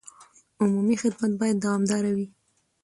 عمومي خدمت باید دوامداره وي.